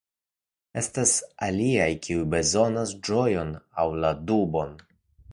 Estas aliaj, kiuj bezonas la ĝojon aŭ la dubon